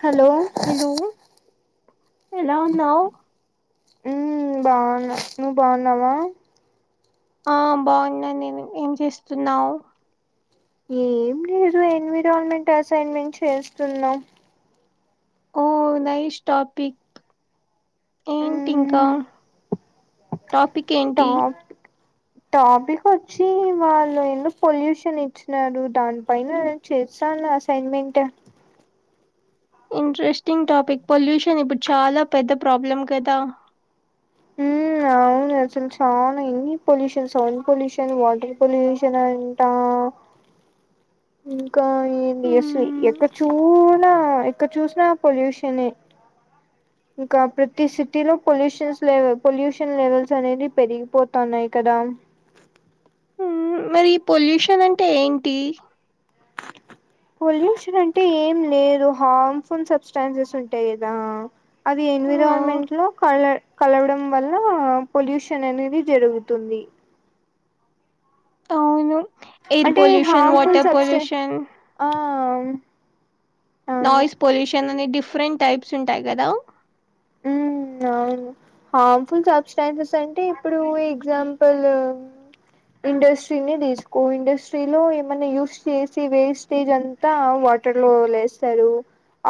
Hello hello ఎలా ఉన్నావ్ ఊ బావున్నా నువ్వు బావున్నావా ఆ బావున్నా నేను ఏం చేస్తున్నావ్ ఏం లేదు ఎన్విరాల్మెంట్ అసైన్మెంట్ చేస్తున్నాం ఓ నైష్ టాపిక్ ఏంటింకా మ్మ్ టాపిక్ ఏంటి టాపికొచ్చి వాళ్ళు ఏందో పొల్యూషనిచ్చినారు దానిపైన చేసా నా అసైన్మెంటు ఇంట్రెస్టింగ్ టాపిక్ పొల్యూషన్ ఇప్పుడు చాలా పెద్ద ప్రాబ్లం కదా ఊ అ అవునే అసల్ చాలా ఎన్ని pollutions sound pollution water pollution అంటా ఇంకా ఏంది అస్ మ్మ్ ఎక్కడ్ చూనా ఎక్కడ చూస్నా పొల్యూషనే ఇంకా ప్రతి సిటీ లో పొల్యూషన్స్లె పొల్యూషన్ లెవెల్స్ అనేది పెరిగిపోతున్నాయ్ కదా మ్మ్ మరి పొల్యూషనంటే ఏంటి పొల్యూషనంటే ఏం లేదు హార్మ్ఫుల్ సబ్స్టాన్సెస్ ఉంటాయ్ గదా అది ఆ ఎన్విరాన్మెంట్లో కలర్ కలవడం వల్ల పొల్యూషననేది జరుగుతుంది అవును ఎయిర్ అంటే పొల్యూషన్ హార్మ్ఫుల్ వాటర్ సబ్స్టె పొల్యూషన్ ఆ అవును నాయిస్ పొల్యూషన్ అనే డిఫరెంట్ టైప్స్ ఉంటాయ్ గదా ఉ నవును హామ్ఫుల్ సబ్స్టాన్సెస్ అంటే ఇప్పుడు ఎగ్జాంపులు ఇండస్ట్రీ నె దీస్కో ఇండస్ట్రీలో ఏమన్న యూస్ చేసి వేస్టేజంతా వ వాటర్ లో వదిలేస్తరు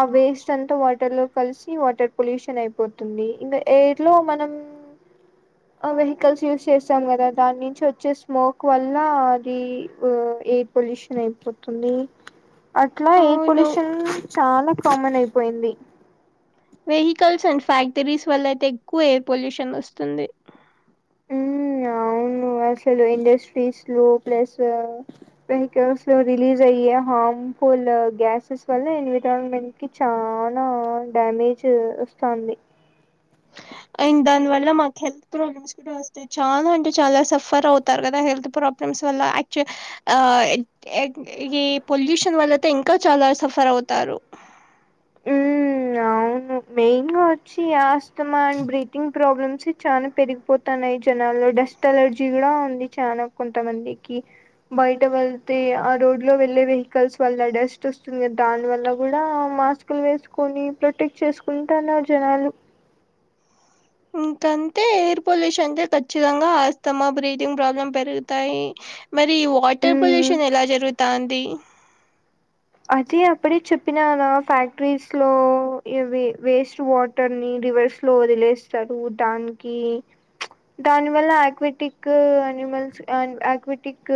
ఆ వేస్టంత వాటర్లో కలిసి వాటర్ పొల్యూష్ షన్ అయిపోతుంది ఇంగ ఏయిర్ లో మనం ఆ వెహికల్స్ యూస్ చేస్తాం గదా దాన్నించి వచ్చే స్మోక్ వల్లా అది ఊ ఎ ఎయిర్ పొల్యూషనైపోతుంది అట్లా ఎయిర్ అవును పొల్యూషన్ చాలా కామనైపోయింది వెహికల్స్ అండ్ ఫ్యాక్టరీస్ వల్ల అయితే ఎక్కువ ఎయిర్ పొల్యూషన్ వస్తుంది ఉమ్ అవును అసలు ఇండస్ట్రీస్ లో ప్లస్ వెహికల్స్ లో రిలీజ్ అయ్యే హామ్ ఫూల్ గ్యాసెస్ వల్ల ఎన్విరాన్మెంట్ కి చానా డ్యామేజ్ వస్తాంది అండ్ దాని వల్ల మాకు హెల్త్ ప్రాబ్లమ్స్ కూడా వస్తాయి చాలా అంటే చాలా సఫర్ అవుతారు కదా హెల్త్ ప్రాబ్లమ్ స్ వల్ల యాక్చు ఆ ఎక్ ఎక్ ఈ పొల్యూషన్ వల్ల అయితే ఇంకా చాలా సఫర్ అవ్ తారు ఉమ్ అవును మెయిన్ గా వచ్చి ఆస్తమా అండ్ బ్రీతింగ్ ప్రాబ్లమ్స్ చానా పెరిగిపోతానయ్ జనాల్లో డస్ట్ అలర్జీ కూడా ఉంది చానా కొంతమందికి బయట వెళ్తే ఆ రోడ్ లో వెళ్ళే వెహికల్స్ వల్ల డస్ట్ వస్తుంది కదా దాని వల్ల కూడా మాస్ ప్పులు వేసుకొని ప్రొటెక్ట్ చేసుకుంటాన్నార్ జనాలు ఇంకంతె ఎయిర్ పొల్యూషన్ అంటే ఖచ్చితంగా ఆస్తమా బ్రీథంగ్ ప్రాబ్లం పెరుగుతాయి మరి వాటర్ ఉమ్ పొల్యూషన్ ఎలా జరుగుతాంది అది అప్పడే చెప్పినాగా ఫ్యాక్టరీస్ లో ఇవి వేస్ట్ వాటర్ ని రివర్స్ స్లో వదిలేస్తారు దానికి దాని వల్ల ఆక్వెటిక్ అనిమల్స్ అండ్ ఆక్విటిక్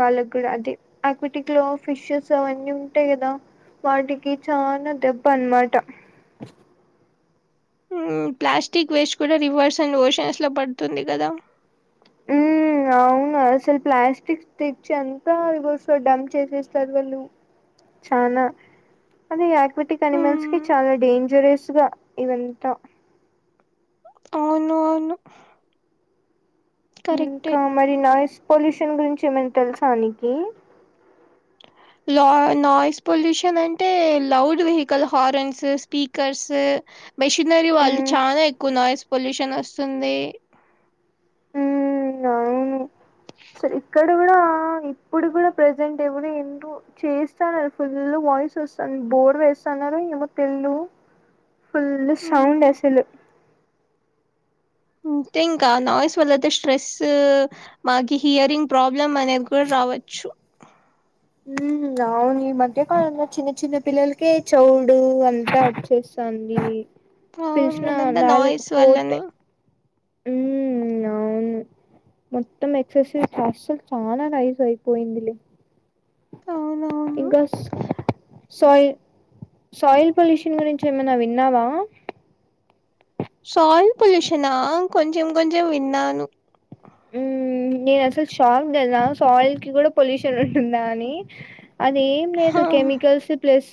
వాళ్ళ కూడా అదే ఆక్విటిక్ లో ఫిషెస్ అవన్నీ ఉంటాయి కదా వాటికి చాలా దెబ్బ అన్నమాట ప్లాస్టిక్ వేస్ట్ కూడా రివర్స్ అండ్ ఓషన్స్ లో పడుతుంది కదా ఊ అవును అసలు ప్లాస్టిక్ తెచ్చి అంతా ఇగోస్ డంప్ చేసేస్తారు వాళ్ళు చానా అదే యాక్విటిక్ అనిమల్స్ కి మ్మ్, చాలా డేంజరస్ గా ఇదంతా అవును అవును కరెక్టే ఇంకా మరి నాయిస్ పొల్యూషన్ గురించి ఏమనా తెలుసానికి లా నాయిస్ పొల్యూషన్ అంటే loud vehicle horns speakers machinery వాళ్ళు ఉమ్ చానా ఎక్కువ నాయిస్ పొల్యూషన్ వస్తుంది ఉ అవును సో ఇక్కడ కూడా ఇప్పుడు కూడా ప్రజెంట్ ఎవరొ ఎందు చేస్తానరు ఫుల్ వాయిస్ చూస్తన్ బోర్ వేస్తున్నారో ఏమో తెల్లు ఫుల్ హ్మ్ సౌండ్ అస్సల్ ఇంతే ఇంక నాయ్స్ వల్ల అయితే స్ట్రెస్ మాకి హియరింగ్ ప్రాబ్లమ్ అనేది కూడా రా రావచ్చు ఉ అవును ఈ మధ్యకాలంలో చిన్న చిన్న పిల్లలకే చౌడు అంతా వచ్చేస్ అండి అవును పిలిచిన అదంతా నాలుగ్ నాయిస్ ఫోర్ టై వల్లనే ఉ అవును మొత్తం ఎక్ససైజ్ అస్సల్ చానా నైజయిపోయిందిలే అవునవును. ఇంకాస్ సయి సాయిల్ పొల్యూషన్ గురించి ఏమైనా విన్నావా సాయిల్ పొల్యూషనా కొంచెం కొంచెం విన్నాను ఉ నేను అసలు షాక్ తెల్సా సాయిల్ కి కూడా పొల్యూషన్ ఉంటుందా అని అది ఏం లేదు హా, కెమికల్స్ ప్లస్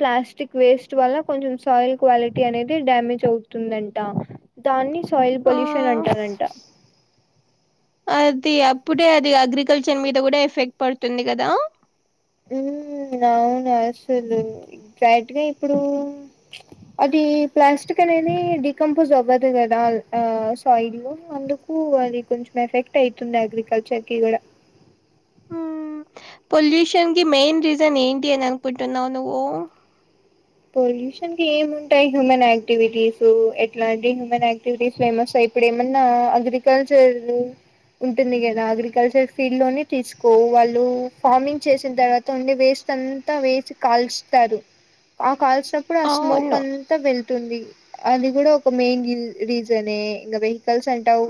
ప్లాస్టిక్ వేస్ట్ వల్ల కొంచెం సాయిల్ క్వాలిటీ అనేది డ్యామేజ్ అవుతుందంట దాన్ని సాయిల్ ఆ పొల్యూషన్ అంటారంట అది అప్పుడే అది అగ్రికల్చర్ మీద కూడా ఎఫెక్ట్ పడుతుంది కదా ఉ అవును అసలు బడ్రైట్గా ఇప్పుడు అది ప్లాస్టిక్ అనేది డికంపోజ్ అవ్వదు కదా ఆ సాయిల్ లో అందుకు అది కొంచెం ఎఫెక్ట్ అయితుంది అగ్రికల్చర్ కి కూడా పొల్యూషన్కి మెయిన్ రీజన్ ఏంటి అని అనుకుంటున్నావ్ నువ్వు పొల్యూషన్ కి ఏం ఉంటాయి హ్యూమన్ యాక్టివిటీస్ ఎట్లాంటి హ్యూమన్ యాక్టివిటీస్ ఫేమస్ అయి ఇప్పుడు ఏమన్నా అగ్రికల్చర్ ఉంటుంది కదా అగ్రికల్చర్ ఫీల్డ్ లోనే తీసుకో వాళ్ళు ఫార్మింగ్ చేసిన తర్వాత ఓన్లీ వేస్ట్ అంతా వేసి కాల్స్తారు ఆ కాల్చినప్పుడు ఆ స్మోక్ అవును అంతా వెల్ తుంది అది కూడా ఒక మెయిన్ల్ రీజనే ఇంకా వెహ తెలుసు అంటావ్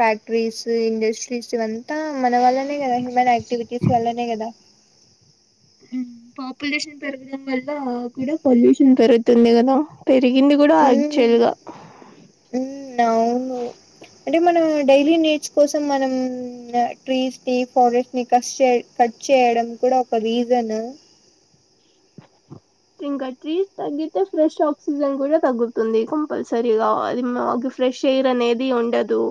ఫ్యాక్టరీస్ ఇండస్ట్రీస్ ఇవన్ త మన వల్లనే కద హ్యూమన్ యక్టివిటీస్ వల్లనే కదా పాపులేషన్ పెరగడం వల్ల కూడా పొల్యూషన్ పెరుగుతుంది కదా పెరిగింది కూడా ఉమ్ యాక్చువల్గా ఉమ్ అవును అంటే మనం డైలీ నీడ్స్ కోసం మనం ట్రీస్ ని ఫారెస్ట్ ని కస్ చే కట్ చేయడం కూడా ఒక రీజన్ ఇంకా ట్రీస్ తగ్గితే ఫ్రెష్ ఆక్సిజన్ కూడా తగ్గుతుంది కంపల్సరీగాది మా ఫ్రెష్ ఎయిర్ అనెది ఉండదు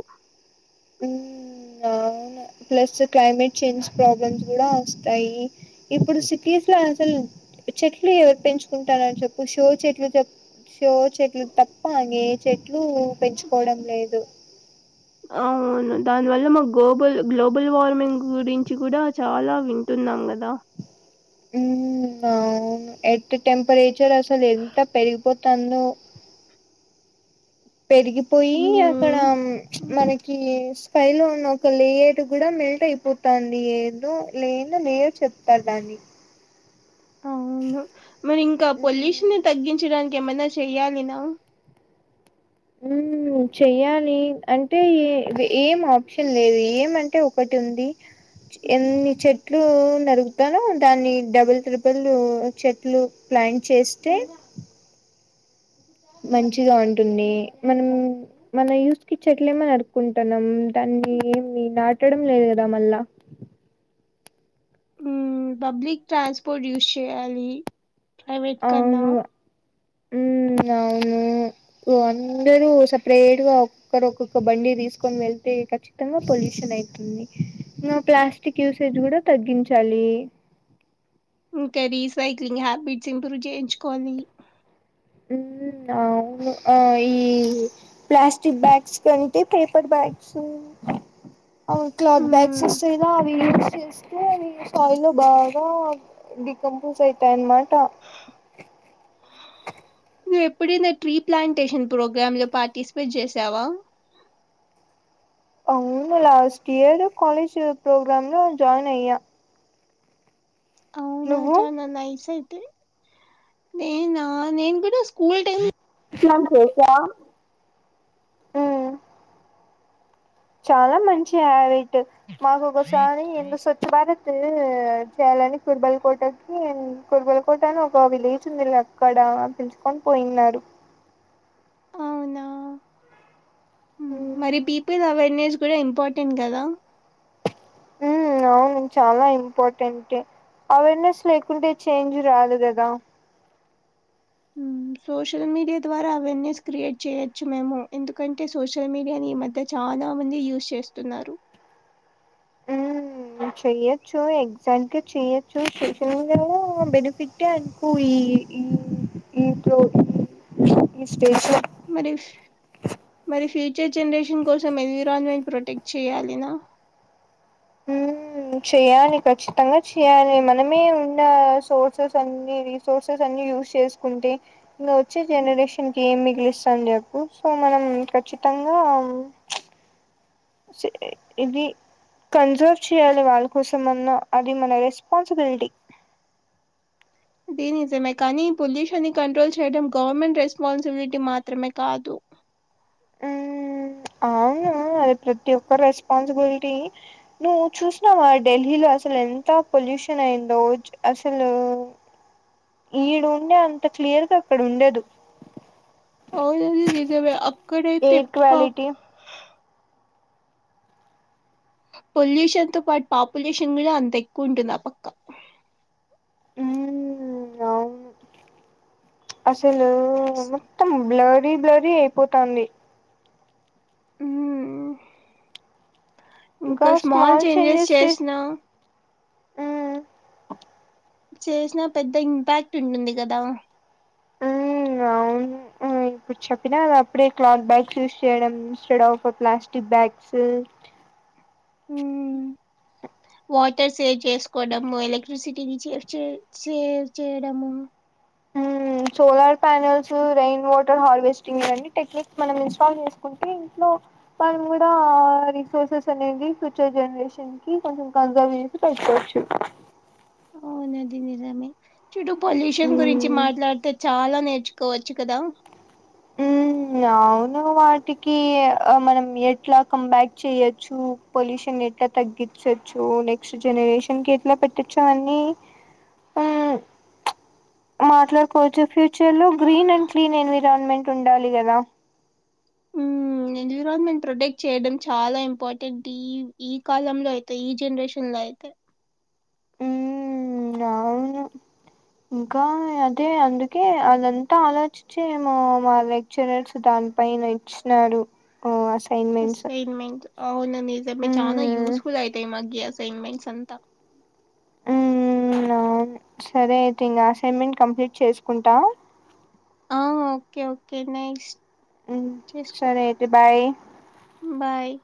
ఉ ఇంగ అవును ప్లస్ క్లైమేట్ చేంజ్ ప్రాబ్లమ్స్ కూడా వస్తాయి ఇప్పుడు సిటీస్ లో అసలు చెట్లు ఎవరు పెంచుకుంటారా చెప్పు షో చెట్లు చెప్పు షో చెట్లు తప్ప ఇంగ ఏ చెట్లు పెంచుకోవడం లేదు అవును దానివల్ల మా గ్లోబల్ గ్లోబల్ వార్మింగ్ గురించి కూడా చాలా వింటుం నంగదా ఉ నవ్ వును ఎర్త్ టెంపరేచర్ అసలు ఎంత పెరిగిపోతందో పెరిగిపోయి అక్కడ హ్మ్ మనకి ఫైలో ఉన్న ఒక లేయర్ కూడా మెల్ట్ అయిపోతంది ఏందో లేందో లేయర్ చెప్తారు దాన్ని అవును మరి ఇంకా పొల్యూషన్ ని తగ్గించడాని ఇంకా ఏమన్న చెయ్యాలి న అవును చెయ్యాలి అంటే ఏ ఏం ఆప్షన్ లేదు ఏమంటే ఒకటి ఉంది ఎన్ని చెట్లు నరుగుతానో దాన్ని డబుల్ ట్రిబల్ చెట్లు ప్లాన్ చేస్తే మంచిగా ఉంటుంది మనం మన యూస్కి చెట్లేమో నరుకుంటానాం ఉంట మ్ ఏమి నాటడం లేదు కదా మళ్ళా మ్ పబ్లిక్ ట్రాన్స్పోర్ట్ యూస్ చేయాలి ప్రైవేట్ కన్నా ఉ అవును కు అందరు సపరేట్ గా ఒక్కరు ఒక్కొక్క బండి తీసుకొని వెళ్తే ఖచ్చితంగా పొల్యూషన్ అయితుంది ఇంగ ప్లాస్టిక్ యూసేజ్ కూడా తగ్గించాలి [inaudible] ఇంకా రీసైక్లింగ్ హ్యాబిట్స్ ఇంప్రూవ్ చేయించుకోవాలి ఊ అవును ఆ ఈ ప్లాస్టిక్ బ్యాగ్స్ కొంటె పేపర్ బ్యాగ్స్ అవు క్లాత్ బ్యాగ్స్ హ్మ్. వస్తయిగా అవి యూజ్ చేస్త స్థాయిలో బాగా డికంపోస్ అయితాయి అన్నమాట [inaudible] నువ్వు ఎప్పుడైనా ట్రీ ప్లాంటేషన్ ప్రోగ్రామ్ లో పార్టిసిపేట్ చేసావా [inaudible] అవును లాస్ట్ ఇయర్ కాాలేజ్ పోగ్రామ్ లో జాయిన్ అయ్యా అవునా నువ్వు చాన నైస్ అయితే నేనా నేన్ కూడా స్కూల్ టైమ్ చాలా మంచి ఆదైతే మాకు ఒకసారి ఎంత స్వచ్ఛ భారత్ చేయాలని కురబల్ కోటకి కురబల్ కోట అని ఒక విలేజ్ ఉంది అక్కడ పిలుచుకోవాలి అని పోయినాడు అవునా మరి పీపుల్ అవేర్నెస్ కూడా ఇంపార్టెంట్ కదా ఉ అవును చాలా ఇంపార్టెంట్ అవేర్నెస్ లేకుంటే చేంజ్ రాదు కదా ఉ సోషల్ మీడియా ద్వారా అవేర్నెస్ క్రియేట్ చేయొచ్చు మేము ఎందుకంటే సోషల్ మీడియాని ఈ మధ్య చాన మంది యూజ్ చేస్తున్నారు మ్ చెయ్యొచ్చు ఎగ్జాట్ గా చెయ్యొచ్చు శేషన్ గా కూడా బెనిఫిటే అయీపోయి ఈ ఈ ఈ ప్రో [unintelligible] మరి మరి ఫీ ఫ్యూచర్ జనరేషన్ కోసం ఎన్విరాన్మెంట్ ప్రొటెక్ట్ చేయాలిన ఉ చెయాలి ఖచ్చితంగా చెయాలి మనమే ఉన్న సోర్సెస్ అన్ని రీసోర్సెస్ అ యుజ్ చేసుకుంటే వచ్చే జనరేషన్ కి ఏం మిగిలిస్తం చెప్పు సో మనం ఖచ్చితం తంగా సరె ఇది కన్జర్వ్ చేయాలి వాళ్ళ కోసం అన్న అది మన రెస్పాన్సిబిలిటీ ది నిజమే కానీ పొల్యూషన్ ని కంట్రోల్ చేయడం గవర్నమెంట్ రెస్పాన్సిబిలిటీ మాత్రమే కాదు ఉమ్ అవును అది ప్రతి ఒక్క రెస్పాన్సిబిలిటీ నువ్వు చూసినావా ఢెల్లి లో అసలు ఎంత పొల్యూషన్ అయిందో అసలు ఈడ ఉండే అంత క్లియర్ గా అక్కడ ఉండదు అవును అది నిజమే అక్కడైతె ఎయిర్ ఇప్ప క్వాలిటీ పొల్యూషన్ తో పాటు పాపులేషన్ కూడా అంత ఎక్కువ ఉంటుంది ఆ పక్క ఉమ్ అవును అసలు మొత్తం బ్లరీ బ్లరీ అయిపోతంది ఉమ్, ఇంకా స్మాల్ చేంజెస్ చేసినా ఉమ్ చేసినా పెద్ద ఇంపాక్ట్ ఉంటుంది కదా ఉ అవును ఇప్పుడు చెప్పినా అది అప్పుడే క్లాత్ బ్యాగ్స్ యూస్ చేయడం instead of plastic bags um water save చేసుకోవడము ఎలక్ట్రిసిటీ సేవ్ చేయడము హ్ solar panels rain water harvesting ఇవన్నీ టెక్నిక్స్ మనం ఇన్స్టాల్ చేసుకుంటే ఇంట్లో మనం కూడా ఆ రిసోర్సెస్ అనేది ఫ్యూచర్ జనరేషన్ కి కొంచెం కన్సర్వ్ చేసి పె కోవచ్చు అవునది నిజమే చుడు పొల్యూషన్ గురించి ఉమ్ మాట్లాడితే చాలా నేర్చుకోవచ్చు కాదా అవును వాటికి మనం ఎట్లా కంబ్యాక్ చెయొచ్చు పొల్యూషన్ ఎట్లా తగ్గించ్చు నెక్స్ట్ జనరేషన్ కి ఎట్లా పెట్టచ్చు అన్నీ హ్ మాట్లాడుకోవచ్చు ఫ్యూచర్ లో గ్రీన్ అండ్ క్లీన్ ఎన్విరాన్మెంట్ ఉండాలి కదా మ్మ్, ఎన్విరాన్మెంట్ ప్రొటెక్ట్ చేయడం చాలా ఇంపార్టెంట్ ఈ ఈ కాలంలో అయితే ఈ జనరేషన్ లో అయితే హ్ అవును ఇంకా అదే అందుకే అదంతా ఆలోచించి ఏ ఏమో మా లెక్చరర్స్ దాని పైన ఇచ్చినాడు అ అసైన్మెంట్ అవును నిజమే చాలా ఉమ్ యూస్ఫుల్ అయితాయి ఈ మధ్య అసైన్మెంట్స్ అంతా ఉమ్ సరే అయితే ఇంకా అసైన్మెంట్ కంప్లీట్ చేసుకుంటా ఆ ఓకే ఓకే నెక్స్ట్ హ్ చేసుకో సరే అయితే బాయ్ బాయ్